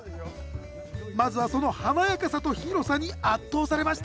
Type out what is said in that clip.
まずはその華やかさと広さに圧倒されました